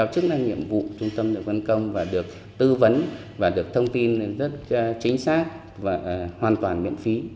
trung tâm được văn công và được tư vấn và được thông tin rất chính xác và hoàn toàn miễn phí